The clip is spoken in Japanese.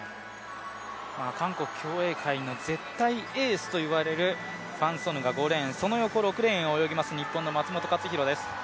韓国競泳界の絶対エースといわれるファン・ソヌが５レーン、その横６レーンを泳ぎます、日本の松元克央です。